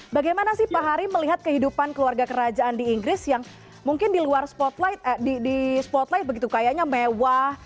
bagaimana sih pak hari melihat kehidupan keluarga kerajaan di inggris yang mungkin di luar spotlight di spotlight begitu kayaknya mewah